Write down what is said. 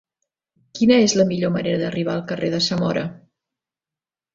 Quina és la millor manera d'arribar al carrer de Zamora?